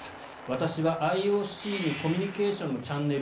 私はＩＯＣにコミュニケーションのチャンネル